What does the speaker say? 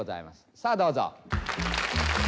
さあどうぞ」